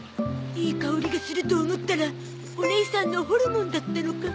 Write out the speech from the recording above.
いい香りがすると思ったらおねいさんのホルモンだったのか。